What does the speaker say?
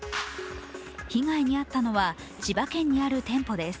被害にあったのは、千葉県にある店舗です。